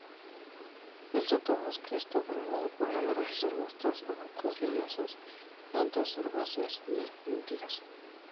El sotobosque está formado por numeroso arbustos, bejucos leñosos, plantas herbáceas y epífitas.